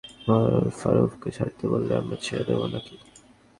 এমন ধ্বজভঙ্গ হাইজ্যাক করে ওমর ফারুককে ছাড়তে বললে আমরা ছেড়ে দেবো না কি?